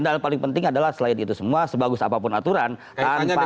dan paling penting adalah selain itu semua sebagus apapun aturan tanpa adalah